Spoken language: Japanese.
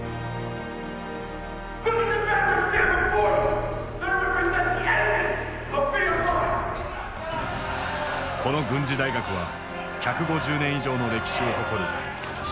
この軍事大学は１５０年以上の歴史を誇る州立の男子校だった。